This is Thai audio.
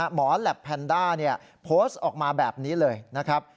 แหลปแพนด้าโพสต์ออกมาแบบนี้เลยนะครับ